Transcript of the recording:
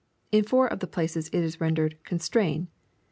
In four of the places it is rendered " constrain."